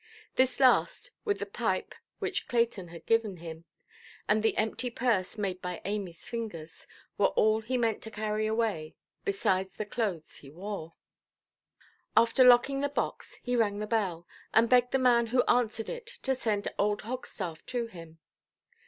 This last, with the pipe which Clayton had given him, and the empty purse made by Amyʼs fingers, were all he meant to carry away, besides the clothes he wore. After locking the box he rang the bell, and begged the man who answered it to send old Hogstaff to him.